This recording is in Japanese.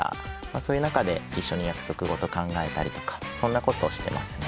そういう中で一緒に約束事を考えたりとかそんなことをしてますね。